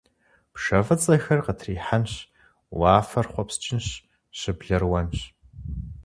Пшэ фӏыцӏэхэр къытрихьэнщ, уафэр хъуэпскӏынщ, щыблэр уэнщ.